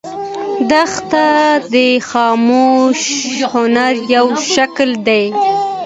دښته د خاموش هنر یو شکل دی.